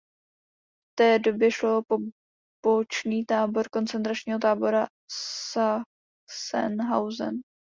V té době šlo o pobočný tábor koncentračního tábora Sachsenhausen.